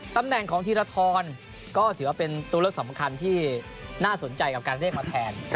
ตำแหน่งของธีรทรก็ถือว่าเป็นตัวเลือกสำคัญที่น่าสนใจกับการเรียกมาแทน